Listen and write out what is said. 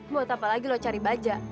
buat apa lagi loh cari baja